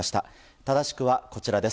正しくはこちらです。